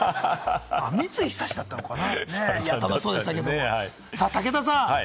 三井寿だったのかな？